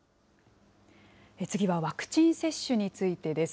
次はワクチン接種についてです。